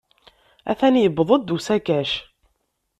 Atan yuweḍ-d usakac.